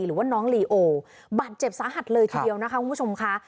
หรือว่าน้องลีโอบาดเจ็บสาหัสเลยทีเดียวนะคะคุณผู้ชมค่ะ